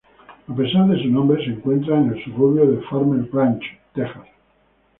A pesar de su nombre se encuentra en el suburbio de Farmers Branch, Texas.